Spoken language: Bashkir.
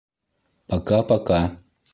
Пока-пока!